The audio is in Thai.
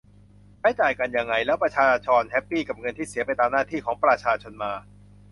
ใช้จ่ายกันยังไง แล้วประชากรแฮปปี้กับเงินที่เสียไปตามหน้าที่ของประชาชนมา